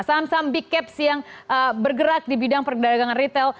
saham saham big caps yang bergerak di bidang perdagangan retail